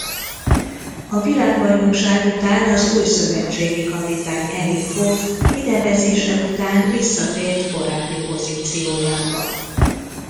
A világbajnokság után az új szövetségi kapitány Erich Hof kinevezése után visszatért korábbi pozíciójába.